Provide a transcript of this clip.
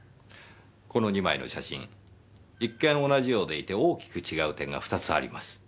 この２枚の写真一見同じようでいて大きく違う点が２つあります。